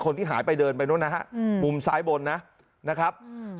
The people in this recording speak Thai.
คนที่หายไปเดินไปนู่นนะฮะอืมมุมซ้ายบนนะนะครับอืม